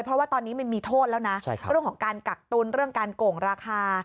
เพราะว่าตอนนี้มันมีโทษแล้วนะเรื่องของการกักตุ้นเรื่องการโก่งราคา